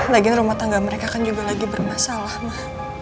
lagian rumah tangga mereka kan juga lagi bermasalah ma